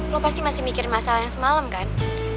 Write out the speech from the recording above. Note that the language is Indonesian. lo pasti masih mikir masalah yang semalam kan